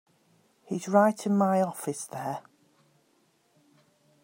He's right in my office there.